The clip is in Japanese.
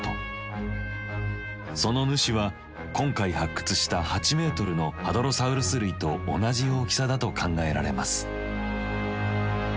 その主は今回発掘した８ｍのハドロサウルス類と同じ大きさだと考えられます。